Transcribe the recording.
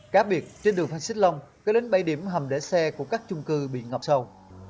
cá biệt trên đường phan xích long có đến bảy điểm hầm để xe của các chung cư bị ngập sâu